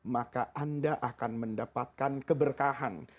maka anda akan mendapatkan keberkahan